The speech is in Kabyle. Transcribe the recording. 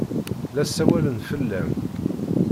La ssawalen fell-am.